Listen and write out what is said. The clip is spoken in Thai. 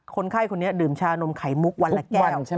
คนไข้คนนี้ดื่มชานมไขมุกวันละแก้วใช่ไหม